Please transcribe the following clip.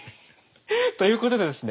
ということでですね